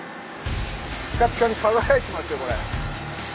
ピカピカに輝いてますよこれ。